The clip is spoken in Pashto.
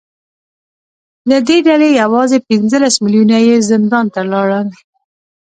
له دې ډلې یوازې پنځلس میلیونه یې زندان ته لاړل